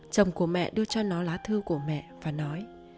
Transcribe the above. chồng của mẹ đưa cho nó lá thư của mẹ và nói